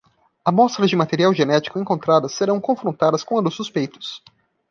Amostras de material genético encontradas serão confrontadas com as dos suspeitos